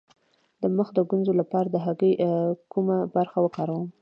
د مخ د ګونځو لپاره د هګۍ کومه برخه وکاروم؟